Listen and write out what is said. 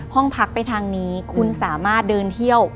ห้องพักไปทางนี้คุณสามารถเดินเที่ยว